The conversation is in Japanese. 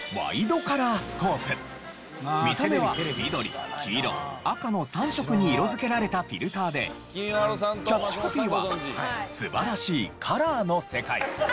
見た目は緑黄色赤の３色に色づけられたフィルターでキャッチコピーは「すばらしいカラーの世界」。